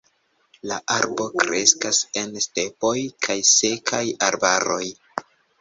La arbo kreskas en stepoj kaj sekaj arbaroj.